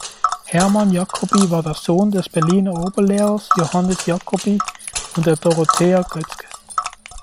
Hermann Jacoby war der Sohn des Berliner Oberlehrers Johannes Jacoby und der Dorothea Goetzke.